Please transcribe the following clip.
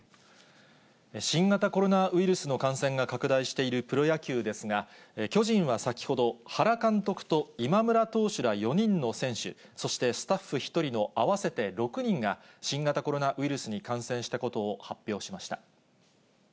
新型コロナウイルスの感染が拡大しているプロ野球ですが、巨人は先ほど、原監督と今村投手ら４人の選手、そしてスタッフ１人の合わせて６人が、新型コロナウイルスに感染したことを発表しました。